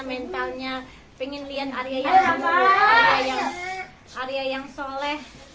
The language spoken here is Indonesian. pengen lihat arya yang selamat arya yang soleh